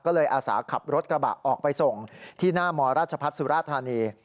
ก็เลยอาสาขับรถกระบะออกไปส่งที่หน้ามรัชพัฒน์สุราธานี